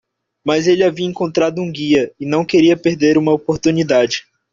Mas ele havia encontrado um guia? e não queria perder uma oportunidade.